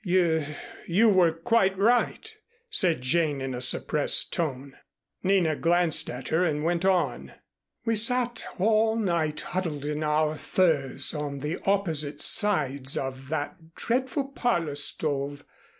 "Y you were quite right," said Jane in a suppressed tone. Nina glanced at her and went on. "We sat all night huddled in our furs on opposite sides of that dreadful parlor stove.